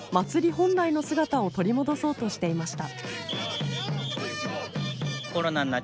本来の姿を取り戻そうとしていました。